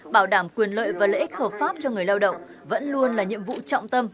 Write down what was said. bảo đảm quyền lợi và lợi ích hợp pháp cho người lao động vẫn luôn là nhiệm vụ trọng tâm